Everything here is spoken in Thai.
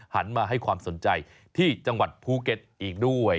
หันมาให้ความสนใจที่จังหวัดภูเก็ตอีกด้วย